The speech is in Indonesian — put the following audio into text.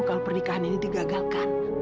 kalau pernikahan ini digagalkan